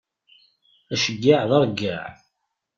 Aceggeɛ d aṛeggeɛ.